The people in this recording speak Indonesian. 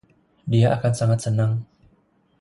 Dia akan sangat senang.